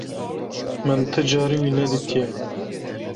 Min ti carî wî nedîtiye.